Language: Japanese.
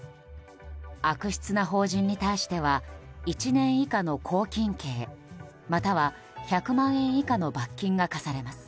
悪質な法人に対しては１年以下の拘禁刑または１００万円以下の罰金が科されます。